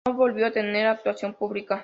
No volvió a tener actuación pública.